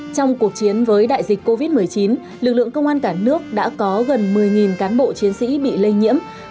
trong cuộc chiến với đại dịch covid một mươi chín lực lượng công an cả nước đã có gần một mươi cán bộ chiến sĩ bị lây nhiễm